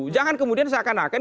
jangan kemudian seakan akan